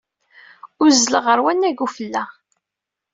Uzzleɣ ɣer wannag n ufella.